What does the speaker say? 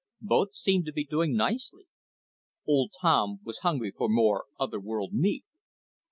Both seemed to be doing nicely. Old Tom was hungry for more otherworld meat.